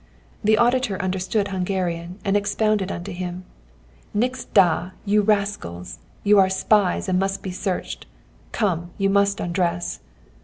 The auditor understood Hungarian, and expounded unto him: 'Nix da, you rascals! You are spies, and must be searched. Come! you must undress.'